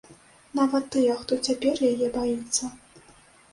Нават тыя, хто цяпер яе баіцца.